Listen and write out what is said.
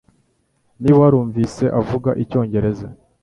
Niba warumvise avuga icyongereza